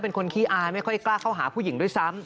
ขี้อายไม่ค่อยกล้าเข้าหาผู้หญิงด้วยซ้ำ